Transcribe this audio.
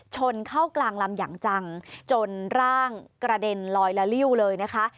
ชนเข้ากลางลำอย่างจังจนร่างกระเด็นลอยละลิ้วเลยนะคะ